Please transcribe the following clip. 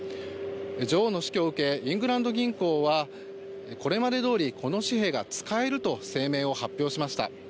女王の死去を受けイングランド銀行はこれまでどおりこの紙幣が使えると声明を発表しました。